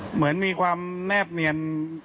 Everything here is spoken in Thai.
เหมือนมีความแนบเนียน